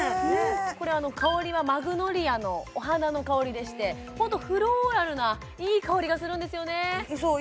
これ香りはマグノリアのお花の香りでしてホントフローラルないい香りがするんですよね